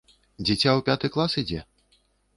Дзіця ў пяты клас ідзе?